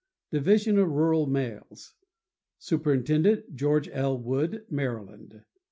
Division of Rural Mails.— Superintendent.—George L. Wood, Maryland.